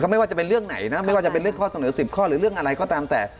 ไม่ว่าจะเป็นเรื่องไหนนะไม่ว่าจะเป็นเรื่องข้อเสนอ๑๐ข้อหรือเรื่องอะไรก็ตามแต่